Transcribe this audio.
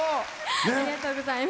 ありがとうございます。